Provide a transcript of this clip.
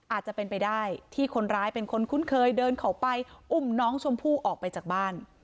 อาจจะเป็นไปได้ที่คนร้ายเป็นคนคุ้นเคยเดินเขาไปอุ้มน้องชมพู่ออกไปจากบ้าน